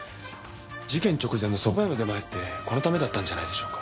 事件直前のそば屋の出前ってこのためだったんじゃないでしょうか。